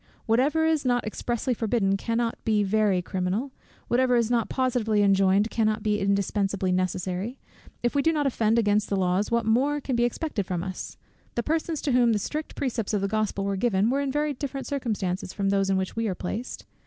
"Whatever is not expressly forbidden cannot be very criminal; whatever is not positively enjoined, cannot be indispensably necessary If we do not offend against the laws, what more can be expected from us? The persons to whom the strict precepts of the Gospel were given, were in very different circumstances from those in which we are placed.